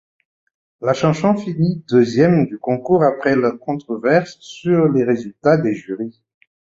La chanson finit deuxième du concours après la controverse sur les résultats des jurys.